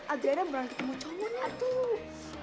adriana berangkat sama cowoknya tuh